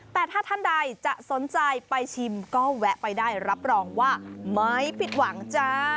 แต่ถ้าท่านใดจะสนใจไปชิมก็แวะไปได้รับรองว่าไม่ผิดหวังจ้า